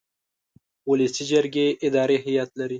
ولسي جرګې اداري هیئت لري.